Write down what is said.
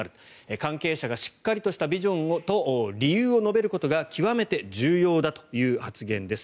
関係者が、しっかりとしたビジョンと理由を述べることが極めて重要だという発言です。